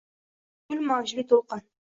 Shul mavjli to’lqin